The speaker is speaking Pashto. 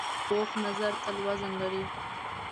پوخ نظر تل وزن لري